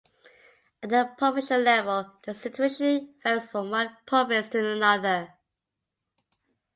At the provincial level, the situation varies from one province to another.